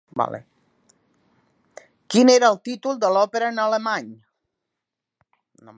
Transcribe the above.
Quin era el títol de l'òpera en alemany?